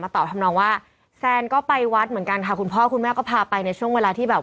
ตอบทำนองว่าแซนก็ไปวัดเหมือนกันค่ะคุณพ่อคุณแม่ก็พาไปในช่วงเวลาที่แบบ